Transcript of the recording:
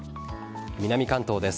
南関東です。